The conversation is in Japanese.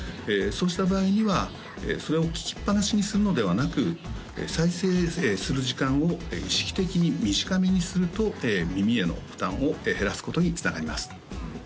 そうした場合にはそれを聴きっぱなしにするのではなく再生する時間を意識的に短めにすると耳への負担を減らすことにつながります